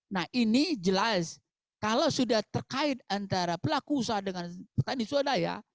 nah ini jelas kalau sudah terkait antara pelaku usaha dengan petani swadaya